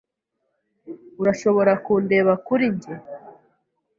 Urashobora kundeba kuri njye?